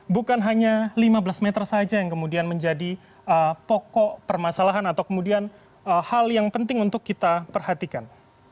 bukan hanya lima belas meter saja yang kemudian menjadi pokok permasalahan atau kemudian hal yang penting untuk kita perhatikan